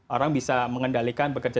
orang bisa mengendalikan bekerja